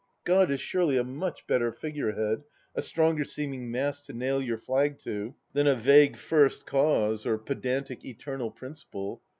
God is surely a much better figure head — a stronger seeming mast to nail your flag to than a vague First Cause or pedantic Eternal Principle